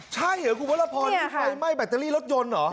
ใช่เหรอคุณพระพรมีไฟไหม้แบตเตอรี่รถยนต์เหรอ